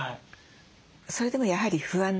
それでもやはり不安でね